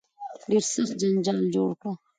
ډېر سخت جنجال جوړ کړ.